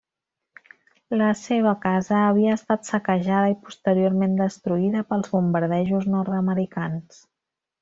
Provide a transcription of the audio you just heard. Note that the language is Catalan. La seva casa havia estat saquejada i posteriorment destruïda pels bombardejos nord-americans.